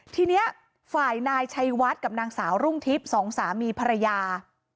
ทีนี้ฝ่ายนายชัยวัดกับนางสาวรุ่งทิพย์สองสามีภรรยา